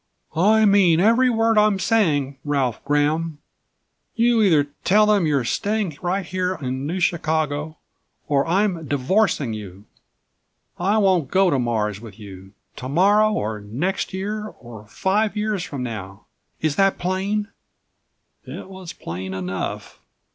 "I mean every word I'm saying, Ralph Graham. You either tell them you're staying right here in New Chicago or I'm divorcing you. I won't go to Mars with you tomorrow or next year or five years from now. Is that plain?" It was plain enough.